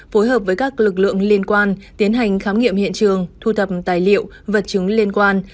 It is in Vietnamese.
phối hợp với các lực lượng liên quan tiến hành khám nghiệm hiện trường thu thập tài liệu vật chứng liên quan